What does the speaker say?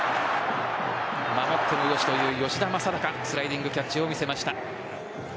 守っても良しという吉田正尚スライディングキャッチを見せました。